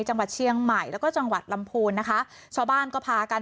จังหวัดเชียงใหม่แล้วก็จังหวัดลำพูนนะคะชาวบ้านก็พากัน